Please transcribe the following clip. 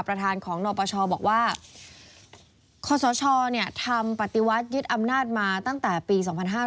ประธานของนปชบอกว่าคศทำปฏิวัติยึดอำนาจมาตั้งแต่ปี๒๕๕๙